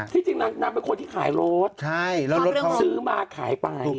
จริงนางเป็นคนที่ขายรถเขาซื้อมาขายไป